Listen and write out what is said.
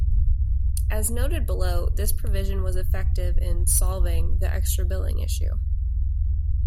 As noted below, this provision was effective in 'solving' the extra-billing issue.